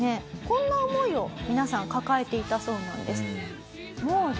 こんな思いを皆さん抱えていたそうなんです。